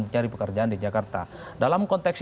mencari pekerjaan di jakarta dalam konteks